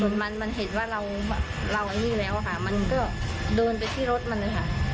มันมันเห็นว่าเราไอ้นี่แล้วค่ะมันก็เดินไปที่รถมันเลยค่ะ